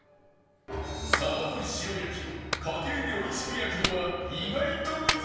さばの塩焼家庭で美味しく焼くのは意外と難しい